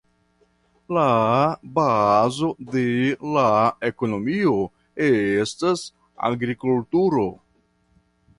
La bazo de la ekonomio estas agrikulturo.